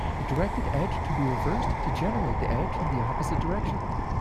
A directed edge can be reversed to generate the edge in the opposite direction.